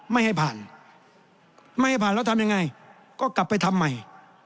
ไม่ให้ผ่านไม่ให้ผ่านแล้วทำยังไงก็กลับไปทำใหม่